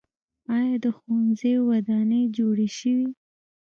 آیا د ښوونځیو ودانۍ جوړې شوي؟